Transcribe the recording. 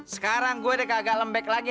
sekarang gue udah kagak lembek lagi